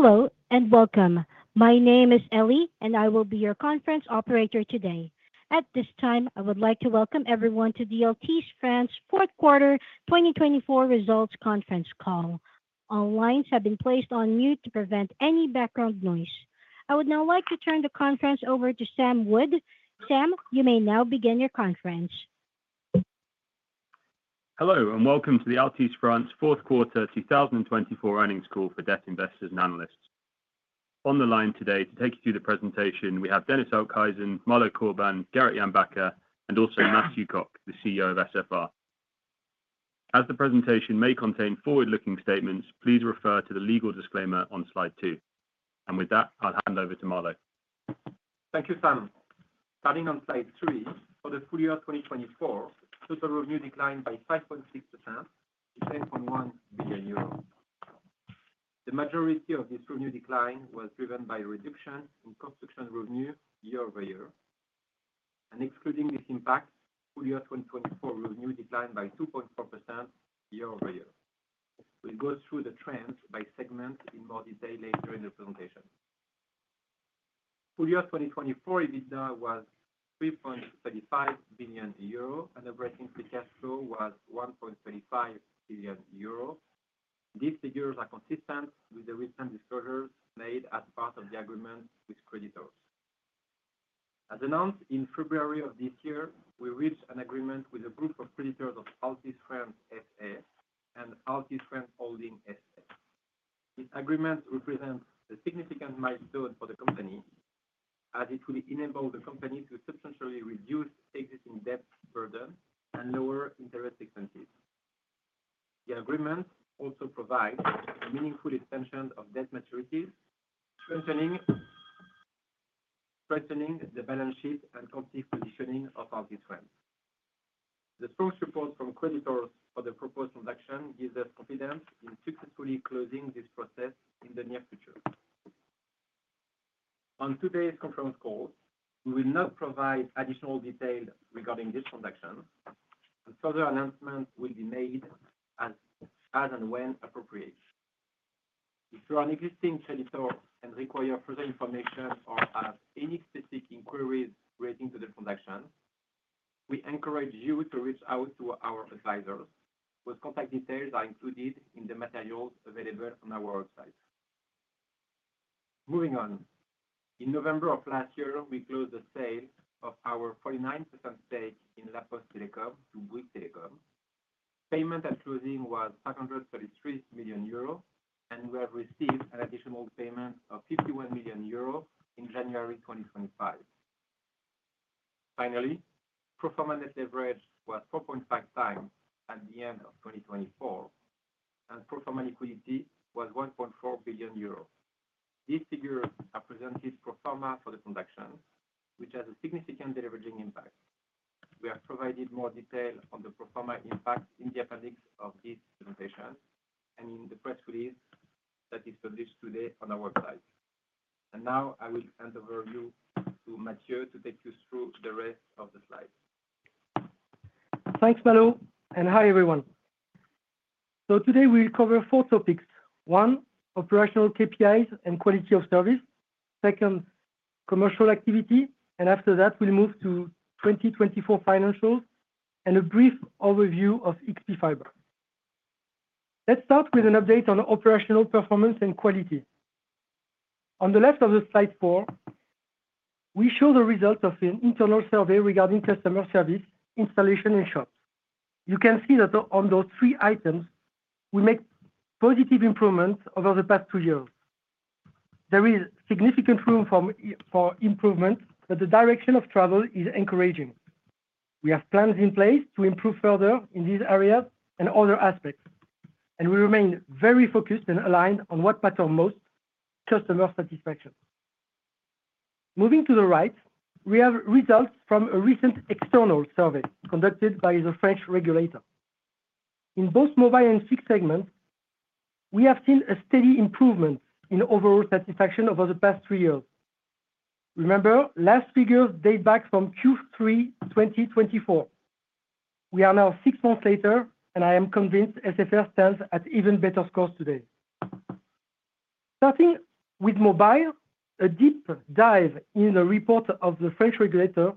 Hello, and welcome. My name is Ellie, and I will be your conference operator today. At this time, I would like to welcome everyone to the Altice France Fourth Quarter 2024 Results Conference Call. All lines have been placed on mute to prevent any background noise. I would now like to turn the conference over to Sam Wood. Sam, you may now begin your conference. Hello, and welcome to the Altice France Fourth Quarter 2024 Earnings Call for debt investors and analysts. On the line today to take you through the presentation, we have Dennis Okhuijsen, Malo Corbin, Gerrit Jan Bakker, and also Mathieu Cocq, the CEO of SFR. As the presentation may contain forward-looking statements, please refer to the legal disclaimer on slide two. With that, I'll hand over to Malo. Thank you, Sam. Starting on slide three, for the full year 2024, total revenue declined by 5.6%, 10.1 billion euros. The majority of this revenue decline was driven by reductions in construction revenue year-over-year. Excluding this impact, full year 2024 revenue declined by 2.4% year-over-year. We will go through the trends by segment in more detail later in the presentation. Full year 2024 EBITDA was 3.35 billion euro, and the break-even cash flow was 1.35 billion euro. These figures are consistent with the recent disclosures made as part of the agreement with creditors. As announced in February of this year, we reached an agreement with a group of creditors of Altice France S.A. and Altice France Holding S.A. This agreement represents a significant milestone for the company, as it will enable the company to substantially reduce existing debt burden and lower interest expenses. The agreement also provides a meaningful extension of debt maturities, strengthening the balance sheet and competitive positioning of Altice France. The strong support from creditors for the proposed transaction gives us confidence in successfully closing this process in the near future. On today's conference call, we will not provide additional detail regarding this transaction, and further announcements will be made as and when appropriate. If you are an existing creditor and require further information or have any specific inquiries relating to the transaction, we encourage you to reach out to our advisors, whose contact details are included in the materials available on our website. Moving on, in November of last year, we closed the sale of our 49% stake in La Poste Telecom to Bouygues Telecom. Payment at closing was 533 million euros, and we have received an additional payment of 51 million euros in January 2025. Finally, pro forma net leverage was 4.5 times at the end of 2024, and pro forma liquidity was 1.4 billion euros. These figures represent pro forma for the transaction, which has a significant leveraging impact. We have provided more detail on the pro forma impact in the appendix of this presentation and in the press release that is published today on our website. I will hand over to you, to Mathieu, to take you through the rest of the slides. Thanks, Malo. Hi, everyone. Today we'll cover four topics. One, operational KPIs and quality of service. Second, commercial activity. After that, we'll move to 2024 financials and a brief overview of XP Fibre. Let's start with an update on operational performance and quality. On the left of slide four, we show the results of an internal survey regarding customer service, installation, and shops. You can see that on those three items, we make positive improvements over the past two years. There is significant room for improvement, but the direction of travel is encouraging. We have plans in place to improve further in these areas and other aspects, and we remain very focused and aligned on what matters most: customer satisfaction. Moving to the right, we have results from a recent external survey conducted by the French regulator. In both mobile and fixed segments, we have seen a steady improvement in overall satisfaction over the past three years. Remember, last figures date back from Q3 2024. We are now six months later, and I am convinced SFR stands at even better scores today. Starting with mobile, a deep dive in the report of the French regulator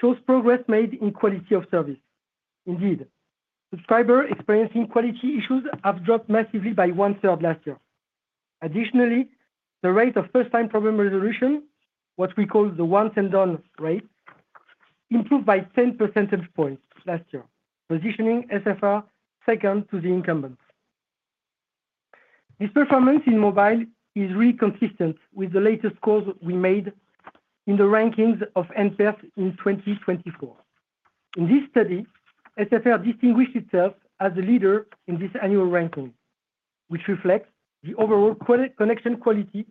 shows progress made in quality of service. Indeed, subscribers experiencing quality issues have dropped massively by one-third last year. Additionally, the rate of first-time problem resolution, what we call the once-and-done rate, improved by 10 percentage points last year, positioning SFR second to the incumbents. This performance in mobile is really consistent with the latest scores we made in the rankings of NPS in 2024. In this study, SFR distinguished itself as a leader in this annual ranking, which reflects the overall connection quality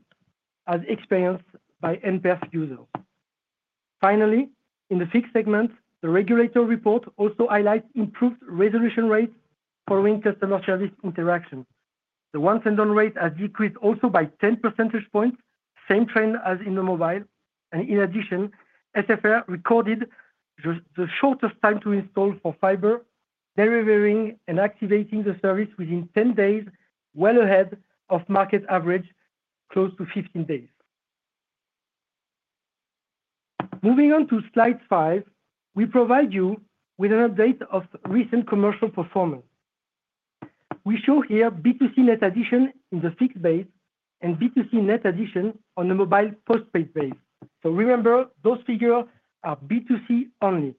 as experienced by NPS users. Finally, in the fixed segment, the regulator report also highlights improved resolution rates following customer service interaction. The once-and-done rate has decreased also by 10 percentage points, same trend as in the mobile. In addition, SFR recorded the shortest time to install for fibre, delivering and activating the service within 10 days, well ahead of market average, close to 15 days. Moving on to slide five, we provide you with an update of recent commercial performance. We show here B2C net addition in the fixed base and B2C net addition on the mobile postpaid base. Remember, those figures are B2C only.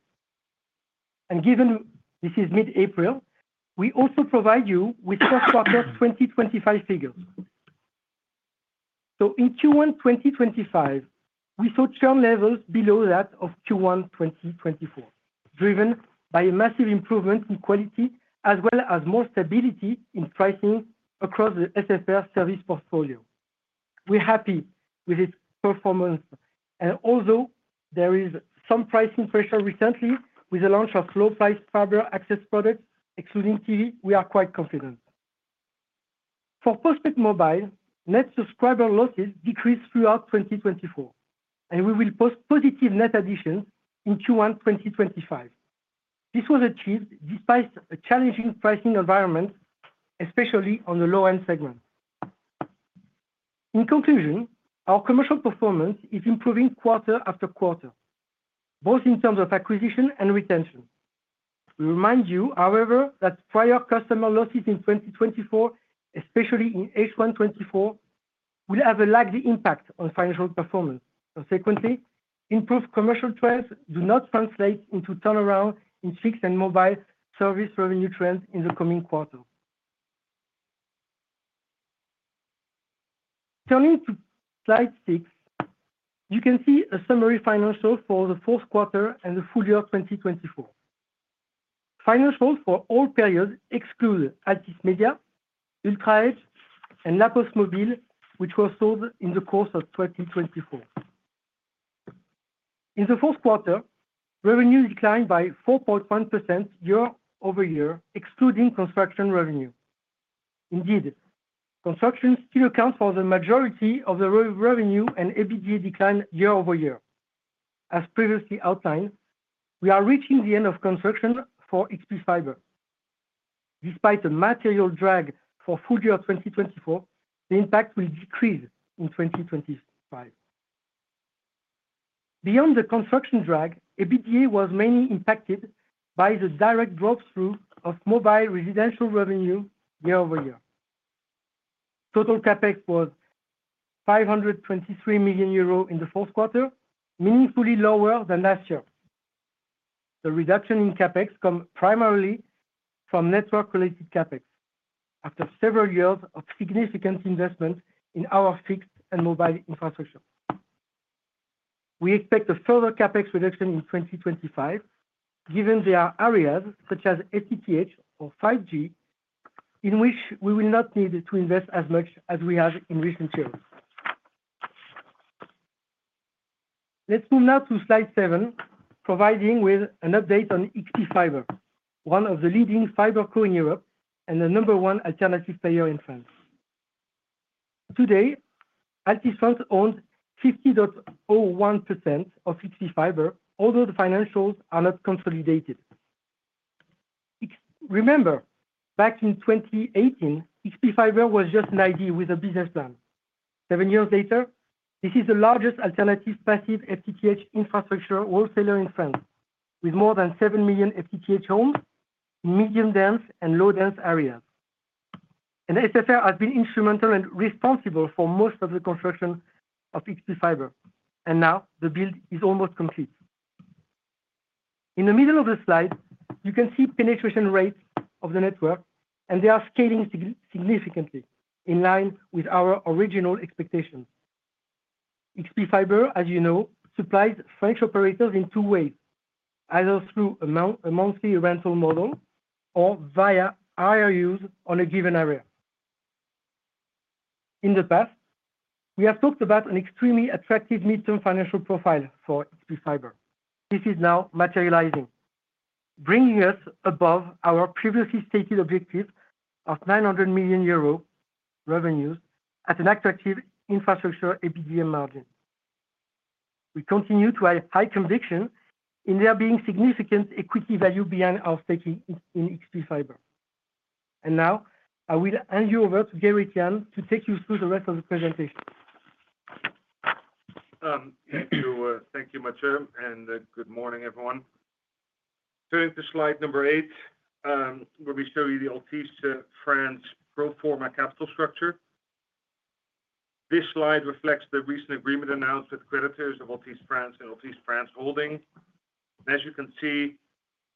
Given this is mid-April, we also provide you with first-quarter 2025 figures. In Q1 2025, we saw churn levels below that of Q1 2024, driven by a massive improvement in quality as well as more stability in pricing across the SFR service portfolio. We're happy with its performance. Although there is some pricing pressure recently with the launch of low-priced fibre access products, excluding TV, we are quite confident. For postpaid mobile, net subscriber losses decreased throughout 2024, and we will post positive net additions in Q1 2025. This was achieved despite a challenging pricing environment, especially on the low-end segment. In conclusion, our commercial performance is improving quarter after quarter, both in terms of acquisition and retention. We remind you, however, that prior customer losses in 2024, especially in H1 2024, will have a laggy impact on financial performance. Consequently, improved commercial trends do not translate into turnaround in fixed and mobile service revenue trends in the coming quarter. Turning to slide six, you can see a summary financial for the fourth quarter and the full year 2024. Financials for all periods exclude Altice Media, UltraEdge, and La Poste Mobile, which were sold in the course of 2024. In the fourth quarter, revenue declined by 4.1% year-over-year, excluding construction revenue. Indeed, construction still accounts for the majority of the revenue and EBITDA decline year-over-year. As previously outlined, we are reaching the end of construction for XP Fibre. Despite the material drag for full year 2024, the impact will decrease in 2025. Beyond the construction drag, EBITDA was mainly impacted by the direct drop-through of mobile residential revenue year-over-year. Total CapEx was 523 million euro in the fourth quarter, meaningfully lower than last year. The reduction in CapEx comes primarily from network-related CapEx after several years of significant investment in our fixed and mobile infrastructure. We expect a further Capex reduction in 2025, given there are areas such as FTTH or 5G, in which we will not need to invest as much as we have in recent years. Let's move now to slide seven, providing with an update on XP Fibre, one of the leading fibre cores in Europe and the number one alternative player in France. Today, Altice France owns 50.01% of XP Fibre, although the financials are not consolidated. Remember, back in 2018, XP Fibre was just an idea with a business plan. Seven years later, this is the largest alternative passive FTTH infrastructure wholesaler in France, with more than 7 million FTTH homes in medium-dense and low-dense areas. SFR has been instrumental and responsible for most of the construction of XP Fibre. Now the build is almost complete. In the middle of the slide, you can see penetration rates of the network, and they are scaling significantly in line with our original expectations. XP Fibre, as you know, supplies French operators in two ways: either through a monthly rental model or via IRUs on a given area. In the past, we have talked about an extremely attractive midterm financial profile for XP Fibre. This is now materializing, bringing us above our previously stated objective of 900 million euro revenues at an attractive infrastructure EBITDA margin. We continue to have high conviction in there being significant equity value behind our staking in XP Fibre. Now I will hand you over to Gerrit Jan to take you through the rest of the presentation. Thank you, Mathieu, and good morning, everyone. Turning to slide number eight, where we show you the Altice France pro forma capital structure. This slide reflects the recent agreement announced with creditors of Altice France and Altice France Holding S.A. As you can see,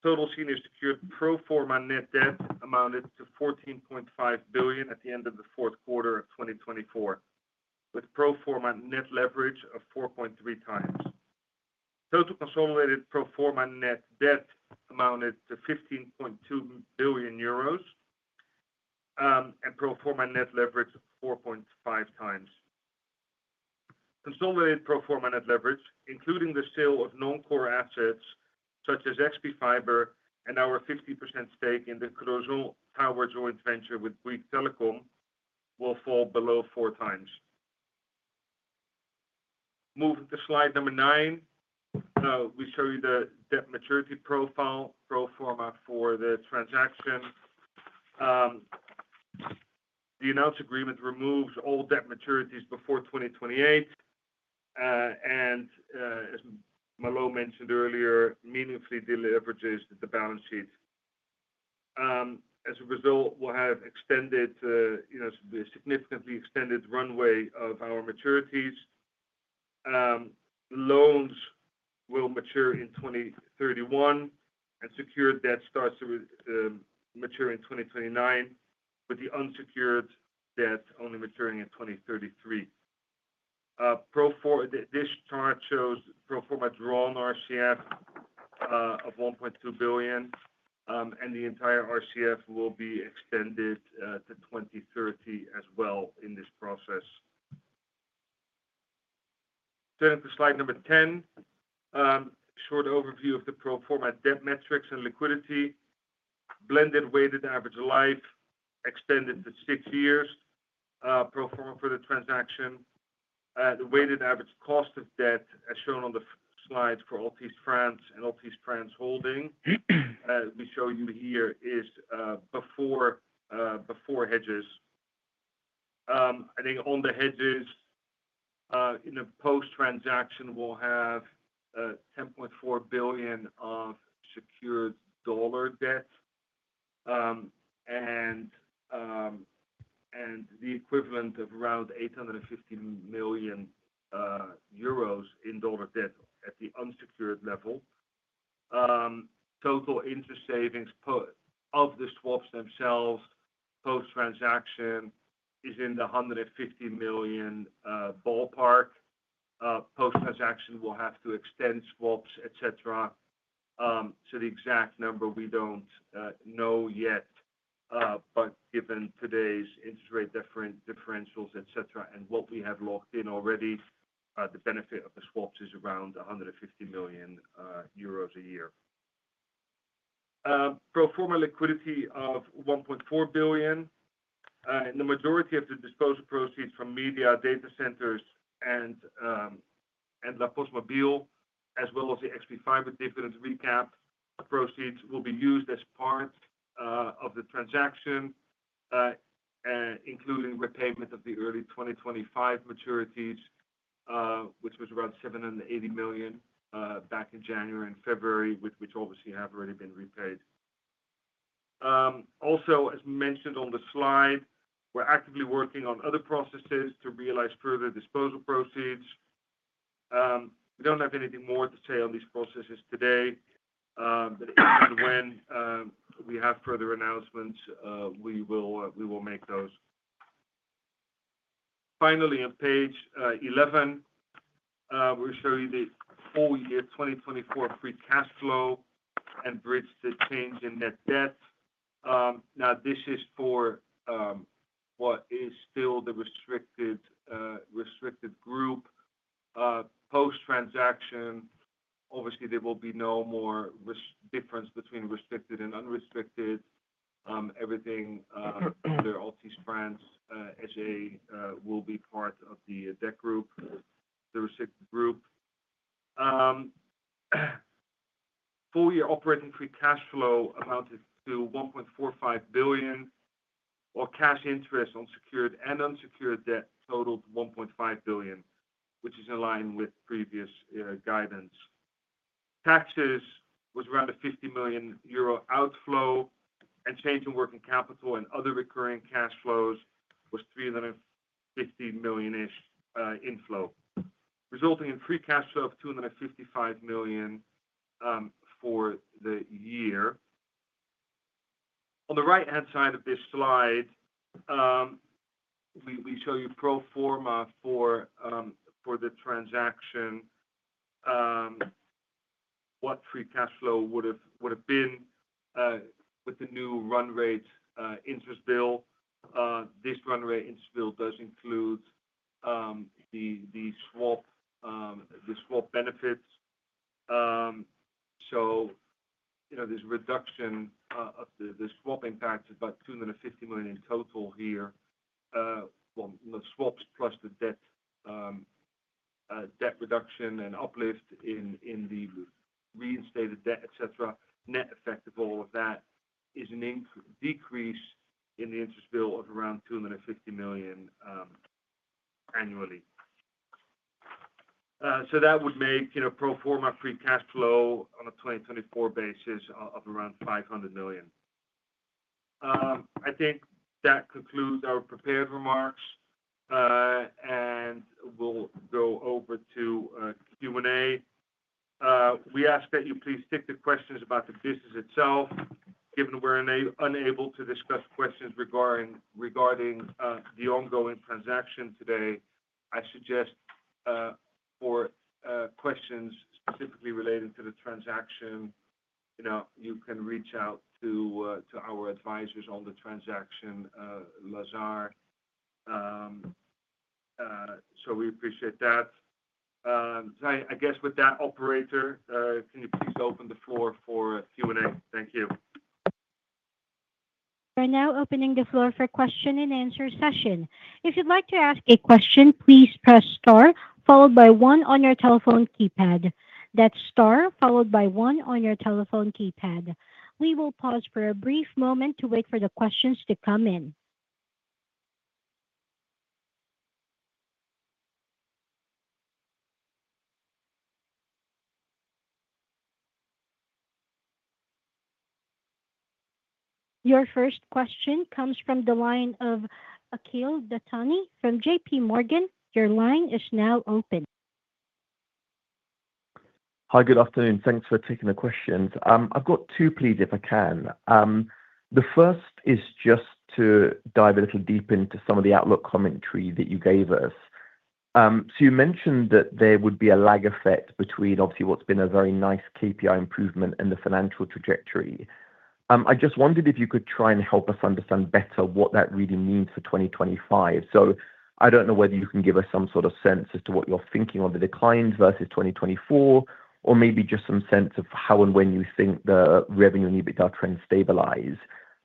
total senior secured pro forma net debt amounted to 14.5 billion at the end of the fourth quarter of 2024, with pro forma net leverage of 4.3 times. Total consolidated pro forma net debt amounted to 15.2 billion euros and pro forma net leverage of 4.5 times. Consolidated pro forma net leverage, including the sale of non-core assets such as XP Fibre and our 50% stake in the Crozon Power Joint Venture with Bouygues Telecom, will fall below four times. Moving to slide number nine, we show you the debt maturity profile, pro forma for the transaction. The announced agreement removes all debt maturities before 2028, and as Malo mentioned earlier, meaningfully deleverages the balance sheet. As a result, we'll have extended, significantly extended runway of our maturities. Loans will mature in 2031, and secured debt starts to mature in 2029, with the unsecured debt only maturing in 2033. This chart shows pro forma drawn RCF of 1.2 billion, and the entire RCF will be extended to 2030 as well in this process. Turning to slide number ten, short overview of the pro forma debt metrics and liquidity. Blended weighted average life extended to six years, pro forma for the transaction. The weighted average cost of debt, as shown on the slide for Altice France and Altice France Holding, we show you here, is before hedges. I think on the hedges, in the post-transaction, we'll have 10.4 billion of secured dollar debt and the equivalent of around 850 million euros in dollar debt at the unsecured level. Total interest savings of the swaps themselves post-transaction is in the 150 million ballpark. Post-transaction, we'll have to extend swaps, et cetera. The exact number we don't know yet, but given today's interest rate differentials, et cetera, and what we have locked in already, the benefit of the swaps is around 150 million euros a year. Pro forma liquidity of 1.4 billion. The majority of the disposal proceeds from media, data centers, and La Poste Mobile, as well as the XP Fibre dividend recap proceeds, will be used as part of the transaction, including repayment of the early 2025 maturities, which was around 780 million back in January and February, which obviously have already been repaid. Also, as mentioned on the slide, we're actively working on other processes to realize further disposal proceeds. We don't have anything more to say on these processes today, but when we have further announcements, we will make those. Finally, on page 11, we show you the full year 2024 free cash flow and bridge the change in net debt. Now, this is for what is still the restricted group. Post-transaction, obviously, there will be no more difference between restricted and unrestricted. Everything under Altice France S.A. will be part of the debt group, the restricted group. Full year operating free cash flow amounted to 1.45 billion, while cash interest on secured and unsecured debt totaled 1.5 billion, which is in line with previous guidance. Taxes was around 50 million euro outflow, and change in working capital and other recurring cash flows was 350 million-ish inflow, resulting in free cash flow of 255 million for the year. On the right-hand side of this slide, we show you pro forma for the transaction, what free cash flow would have been with the new run rate interest bill. This run rate interest bill does include the swap benefits. There is a reduction of the swap impact of about 250 million in total here. The swaps plus the debt reduction and uplift in the reinstated debt, et cetera, net effect of all of that is a decrease in the interest bill of around 250 million annually. That would make pro forma free cash flow on a 2024 basis of around 500 million. I think that concludes our prepared remarks, and we'll go over to Q&A. We ask that you please stick to questions about the business itself. Given we're unable to discuss questions regarding the ongoing transaction today, I suggest for questions specifically related to the transaction, you can reach out to our advisors on the transaction, Lazard. We appreciate that. I guess with that, operator, can you please open the floor for Q&A? Thank you. We're now opening the floor for question-and-answer session. If you'd like to ask a question, please press star followed by one on your telephone keypad. That's star followed by one on your telephone keypad. We will pause for a brief moment to wait for the questions to come in. Your first question comes from the line of Akhil Dattani from J.P. Morgan. Your line is now open. Hi, good afternoon. Thanks for taking the questions. I've got two, please, if I can. The first is just to dive a little deep into some of the outlook commentary that you gave us. You mentioned that there would be a lag effect between, obviously, what's been a very nice KPI improvement and the financial trajectory. I just wondered if you could try and help us understand better what that really means for 2025. I don't know whether you can give us some sort of sense as to what you're thinking on the declines versus 2024, or maybe just some sense of how and when you think the revenue and EBITDA trend stabilize.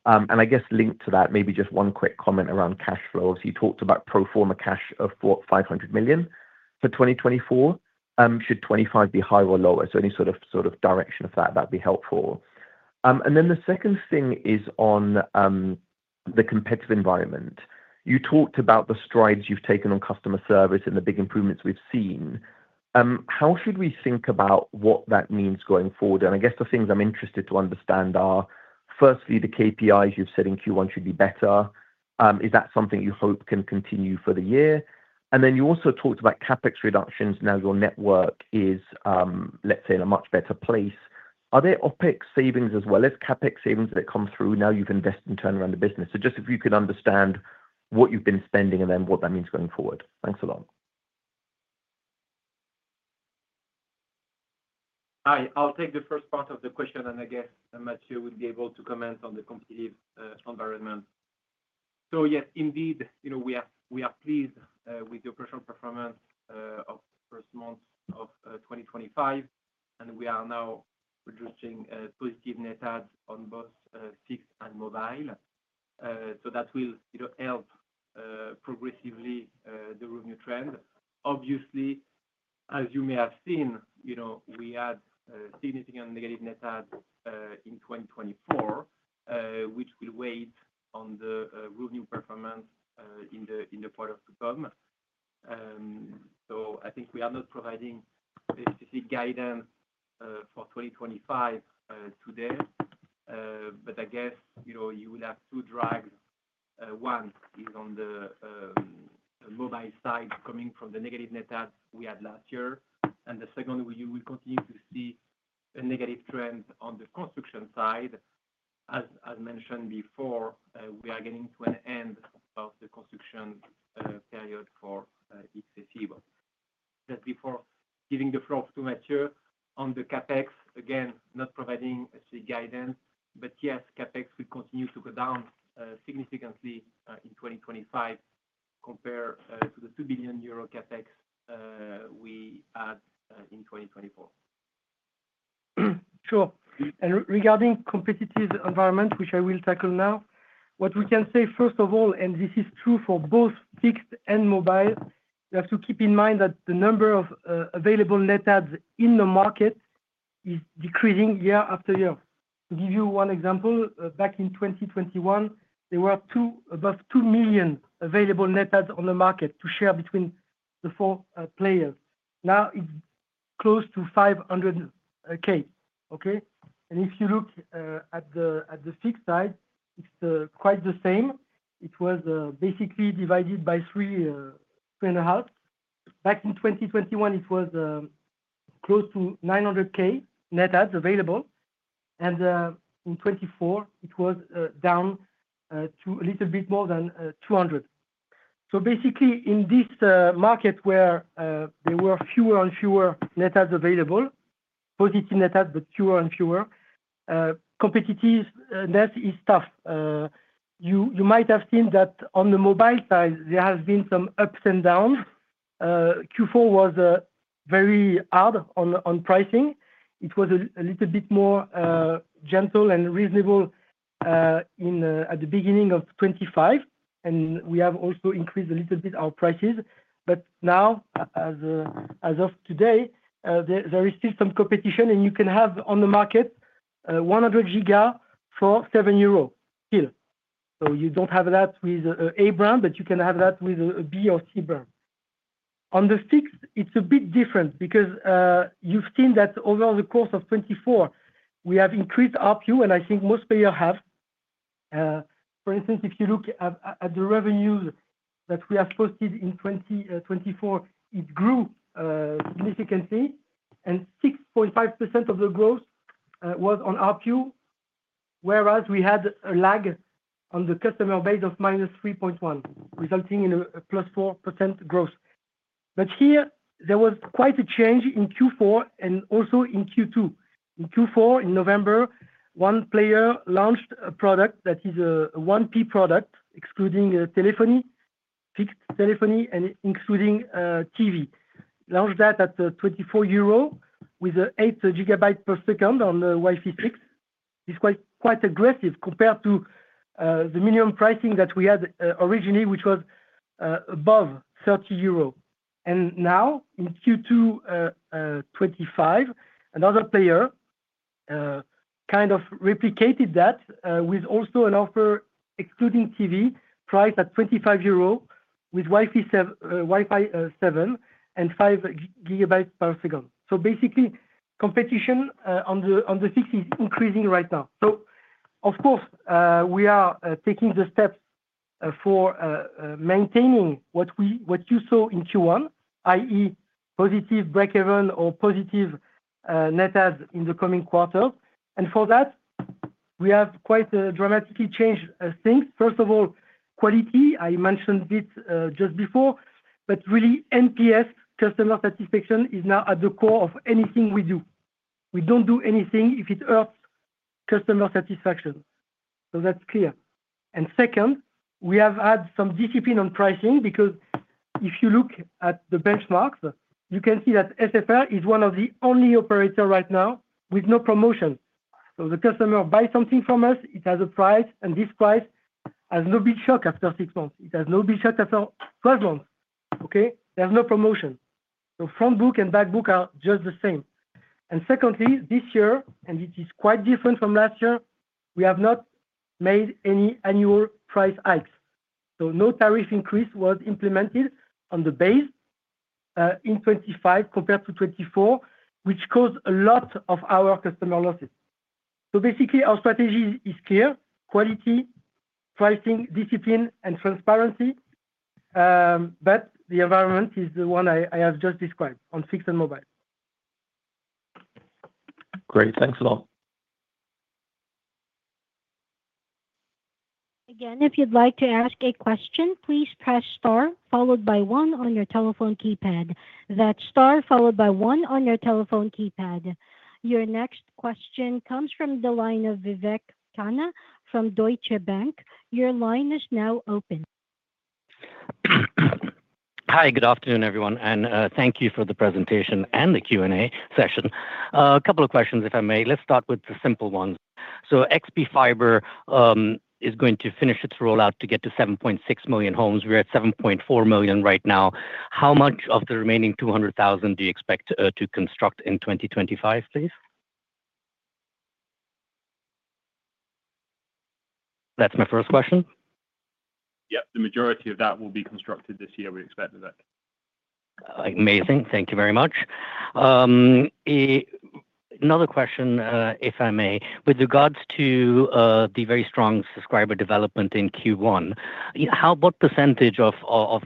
I guess linked to that, maybe just one quick comment around cash flows. You talked about pro forma cash of 500 million for 2024. Should 2025 be higher or lower? Any sort of direction of that, that'd be helpful. The second thing is on the competitive environment. You talked about the strides you've taken on customer service and the big improvements we've seen. How should we think about what that means going forward? I guess the things I'm interested to understand are, firstly, the KPIs you've said in Q1 should be better. Is that something you hope can continue for the year? You also talked about CapEx reductions. Now your network is, let's say, in a much better place. Are there OpEx savings as well as CapEx savings that come through now you've invested and turned around the business? If you could understand what you've been spending and then what that means going forward. Thanks a lot. Hi. I'll take the first part of the question, and I guess Mathieu would be able to comment on the complete environment. Yes, indeed, we are pleased with the operational performance of the first month of 2025, and we are now producing positive net adds on both fixed and mobile. That will help progressively the revenue trend. Obviously, as you may have seen, we had significant negative net adds in 2024, which will weigh on the revenue performance in the part of the com. I think we are not providing specific guidance for 2025 today, but I guess you will have two drags. One is on the mobile side coming from the negative net adds we had last year, and the second, you will continue to see a negative trend on the construction side. As mentioned before, we are getting to an end of the construction period for XPF. Just before giving the floor to Mathieu on the CapEx, again, not providing specific guidance, but yes, CapEx will continue to go down significantly in 2025 compared to the 2 billion euro CapEx we had in 2024. Sure. Regarding competitive environment, which I will tackle now, what we can say, first of all, and this is true for both fixed and mobile, you have to keep in mind that the number of available net adds in the market is decreasing year after year. To give you one example, back in 2021, there were about 2 million available net adds on the market to share between the four players. Now it is close to 500,000. Okay? If you look at the fixed side, it is quite the same. It was basically divided by three and a half. Back in 2021, it was close to 900,000 net adds available, and in 2024, it was down to a little bit more than 200,000. Basically, in this market where there were fewer and fewer net adds available, positive net adds, but fewer and fewer, competitiveness is tough. You might have seen that on the mobile side, there have been some ups and downs. Q4 was very hard on pricing. It was a little bit more gentle and reasonable at the beginning of 2025, and we have also increased a little bit our prices. Now, as of today, there is still some competition, and you can have on the market 100 gigas for 7 euros still. You do not have that with a A brand, but you can have that with a B or C brand. On the fixed, it is a bit different because you have seen that over the course of 2024, we have increased RPU, and I think most players have. For instance, if you look at the revenues that we have posted in 2024, it grew significantly, and 6.5% of the growth was on RPU, whereas we had a lag on the customer base of minus 3.1%, resulting in a plus 4% growth. Here, there was quite a change in Q4 and also in Q2. In Q4, in November, one player launched a product that is a 1P product, excluding telephony, fixed telephony, and excluding TV. Launched that at 24 euro with 8 Gbps on the Wi-Fi 6. It is quite aggressive compared to the minimum pricing that we had originally, which was above 30 euro. Now, in Q2 2025, another player kind of replicated that with also an offer excluding TV, priced at 25 euros with Wi-Fi 7 and 5 Gbps. Basically, competition on the fixed is increasing right now. Of course, we are taking the steps for maintaining what you saw in Q1, i.e., positive break-even or positive net adds in the coming quarter. For that, we have quite dramatically changed things. First of all, quality, I mentioned it just before, but really, NPS, customer satisfaction, is now at the core of anything we do. We do not do anything if it hurts customer satisfaction. That is clear. Second, we have had some discipline on pricing because if you look at the benchmarks, you can see that SFR is one of the only operators right now with no promotion. The customer buys something from us, it has a price, and this price has no bill shock after six months. It has no bill shock after 12 months. There is no promotion. Front book and back book are just the same. This year, and it is quite different from last year, we have not made any annual price hikes. No tariff increase was implemented on the base in 2025 compared to 2024, which caused a lot of our customer losses. Basically, our strategy is clear: quality, pricing, discipline, and transparency. The environment is the one I have just described on fixed and mobile. Great. Thanks a lot. Again, if you'd like to ask a question, please press star followed by one on your telephone keypad. That's star followed by one on your telephone keypad. Your next question comes from the line of Vivek Khanna from Deutsche Bank. Your line is now open. Hi, good afternoon, everyone, and thank you for the presentation and the Q&A session. A couple of questions, if I may. Let's start with the simple ones. XP Fibre is going to finish its rollout to get to 7.6 million homes. We're at 7.4 million right now. How much of the remaining 200,000 do you expect to construct in 2025, please? That's my first question. Yep. The majority of that will be constructed this year, we expect, Vivek. Amazing. Thank you very much. Another question, if I may, with regards to the very strong subscriber development in Q1, what percentage of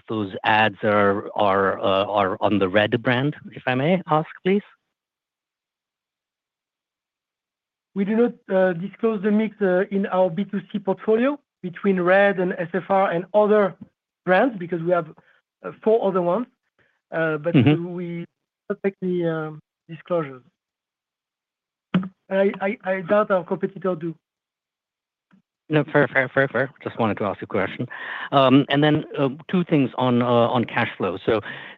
those adds are on the RED brand, if I may ask, please? We do not disclose the mix in our B2C portfolio between RED and SFR and other brands because we have four other ones, but we do not make any disclosures. I doubt our competitors do. No, fair, fair, fair, fair. Just wanted to ask a question. Then two things on cash flow.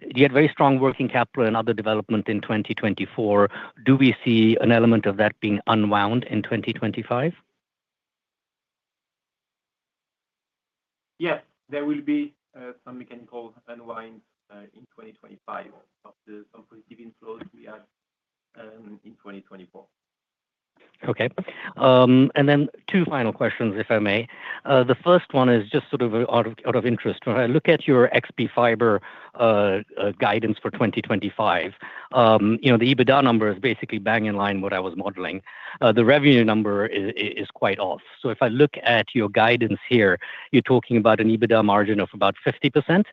You had very strong working capital and other development in 2024. Do we see an element of that being unwound in 2025? Yes, there will be some mechanical unwind in 2025 of some positive inflows we had in 2024. Okay. And then two final questions, if I may. The first one is just sort of out of interest. When I look at your XP Fibre guidance for 2025, the EBITDA number is basically bang in line with what I was modeling. The revenue number is quite off. If I look at your guidance here, you're talking about an EBITDA margin of about 50%.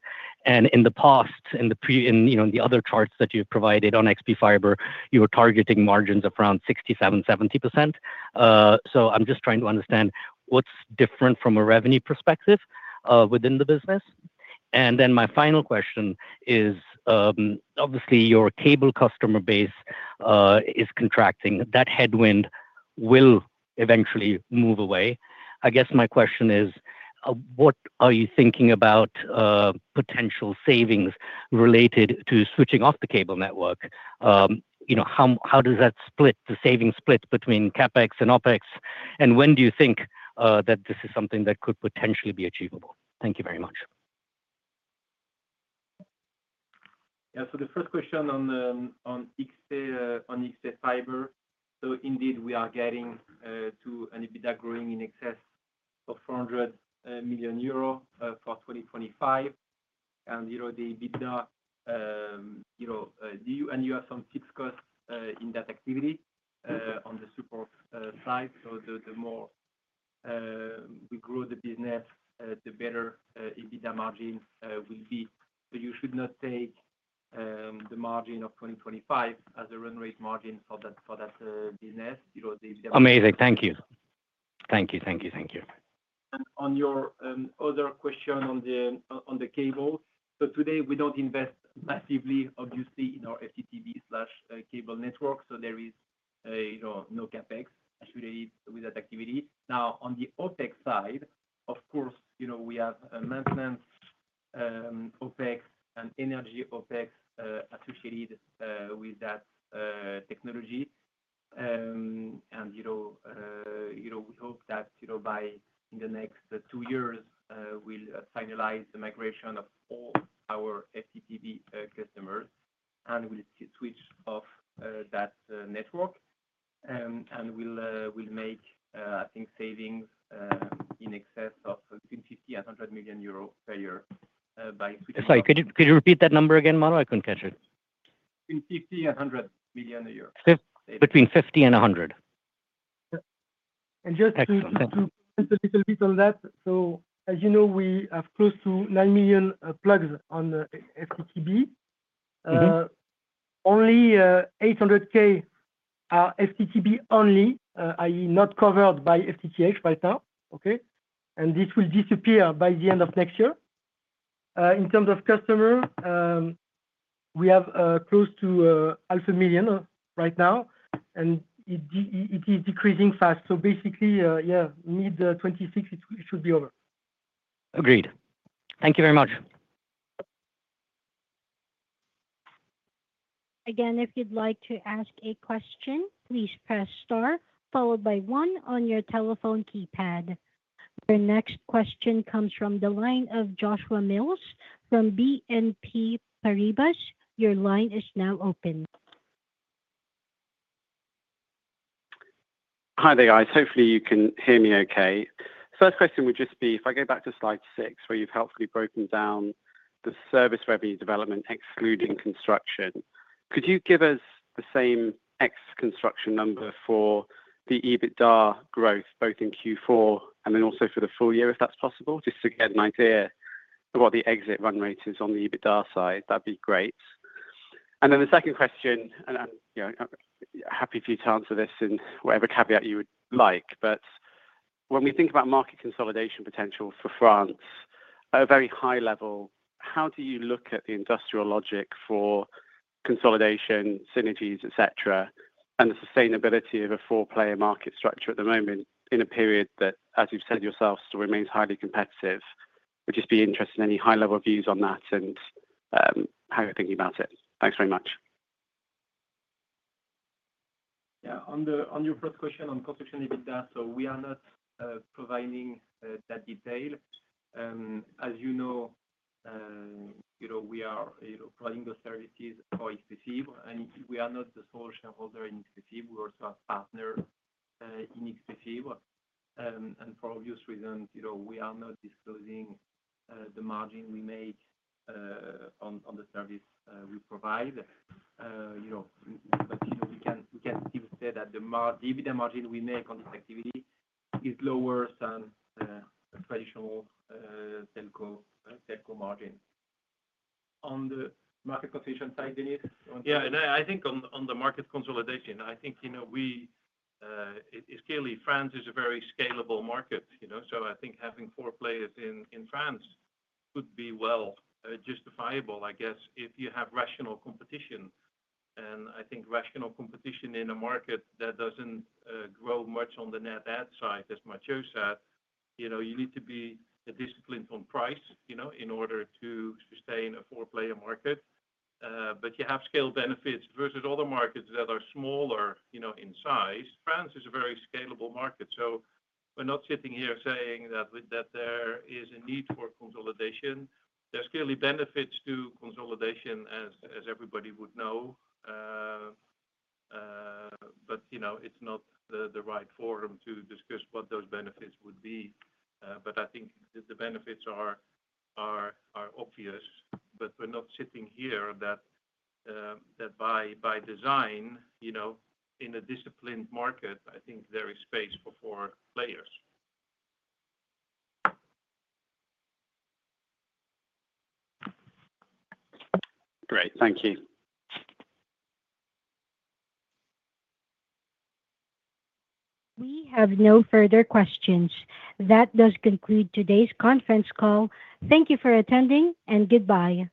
In the past, in the other charts that you've provided on XP Fibre, you were targeting margins of around 67-70%. I'm just trying to understand what's different from a revenue perspective within the business. My final question is, obviously, your cable customer base is contracting. That headwind will eventually move away. I guess my question is, what are you thinking about potential savings related to switching off the cable network? How does that split, the savings split between Capex and Opex? When do you think that this is something that could potentially be achievable? Thank you very much. Yeah. The first question on XP Fibre. Indeed, we are getting to an EBITDA growing in excess of 400 million euro for 2025. The EBITDA, and you have some fixed costs in that activity on the support side. The more we grow the business, the better the EBITDA margin will be. You should not take the margin of 2025 as a run rate margin for that business. Amazing. Thank you. Thank you. Thank you. On your other question on the cable, today, we do not invest massively, obviously, in our FTTB/cable network. There is no CapEx associated with that activity. Now, on the OpEx side, of course, we have maintenance OpEx and energy OpEx associated with that technology. We hope that by the next two years, we will finalize the migration of all our FTTB customers and will switch off that network. We will make, I think, savings in excess of between 50 million and 100 million euro per year by switching. I'm sorry. Could you repeat that number again, Malo? I couldn't catch it. 50 million and 100 million a year. Between 50 and 100. Just to comment a little bit on that, as you know, we have close to 9 million plugs on FTTB. Only 800,000 are FTTB only, i.e., not covered by FTTH right now. Okay? This will disappear by the end of next year. In terms of customers, we have close to 500,000 right now, and it is decreasing fast. Basically, yeah, mid-2026, it should be over. Agreed. Thank you very much. Again, if you'd like to ask a question, please press star followed by one on your telephone keypad. Your next question comes from the line of Joshua Mills from BNP Paribas. Your line is now open. Hi there. Hopefully, you can hear me okay. First question would just be, if I go back to slide 6, where you've helpfully broken down the service revenue development excluding construction, could you give us the same ex-construction number for the EBITDA growth both in Q4 and then also for the full year if that's possible? Just to get an idea of what the exit run rate is on the EBITDA side, that'd be great. The second question, and I'm happy for you to answer this in whatever caveat you would like, but when we think about market consolidation potential for France at a very high level, how do you look at the industrial logic for consolidation, synergies, etc., and the sustainability of a four-player market structure at the moment in a period that, as you've said yourself, still remains highly competitive? I'd just be interested in any high-level views on that and how you're thinking about it. Thanks very much. Yeah. On your first question on construction EBITDA, we are not providing that detail. As you know, we are providing the services for XP Fibre, and we are not the sole shareholder in XP Fibre. We also have partners in XP Fibre. For obvious reasons, we are not disclosing the margin we make on the service we provide. We can still say that the EBITDA margin we make on this activity is lower than a traditional telco margin. On the market competition side, Dennis? Yeah. I think on the market consolidation, I think clearly France is a very scalable market. I think having four players in France could be well justifiable, I guess, if you have rational competition. I think rational competition in a market that does not grow much on the net add side, as Mathieu said, you need to be disciplined on price in order to sustain a four-player market. You have scale benefits versus other markets that are smaller in size. France is a very scalable market. We are not sitting here saying that there is a need for consolidation. There are clearly benefits to consolidation, as everybody would know, but it is not the right forum to discuss what those benefits would be. I think the benefits are obvious. We're not sitting here that by design, in a disciplined market, I think there is space for four players. Great. Thank you. We have no further questions. That does conclude today's conference call. Thank you for attending and goodbye.